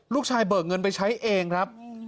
ลูกชายเบิกเงินไปใช้เองครับ